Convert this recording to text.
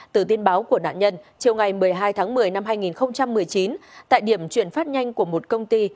từ tin báo của nạn nhân chiều ngày một mươi hai tháng một mươi năm hai nghìn một mươi chín tại điểm chuyển phát nhanh của một công ty